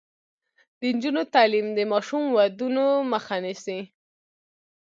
د نجونو تعلیم د ماشوم ودونو مخه نیسي.